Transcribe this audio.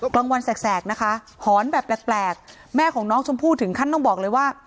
กลางวันแสกนะคะหอนแบบแปลกแม่ของน้องชมพู่ถึงขั้นต้องบอกเลยว่า